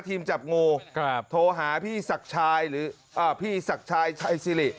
จับงูโทรหาพี่ศักดิ์ชายหรือพี่ศักดิ์ชายชัยสิริ